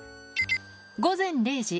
午前０時。